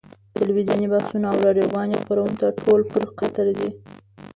تلویزیوني بحثونه او راډیویي خبرونه ټول پر قطر دي.